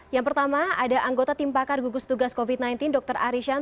yang pertama ada anggota tim pakar gugus tugas covid sembilan belas dr arisan